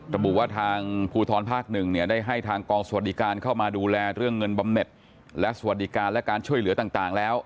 ระบุว่าทางภูทรภาคหนึ่งเนี่ยได้ให้ทางกองสวัสดิการเข้ามาดูแลเรื่องเงินบำเน็ตและสวัสดิการและการช่วยเหลือต่างแล้ว